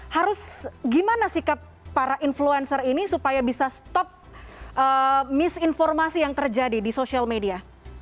harus gimana sikap para influencer ini supaya bisa stop misinformasi yang terjadi di sosial media